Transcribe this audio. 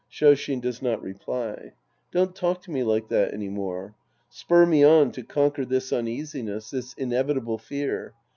(Sh5 SHiN does not reply.) Don't talk to me like that any more. Spur me on to conquer this uneasiness, this inevitable fear.